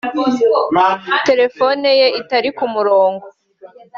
telefone ye itari ku murongo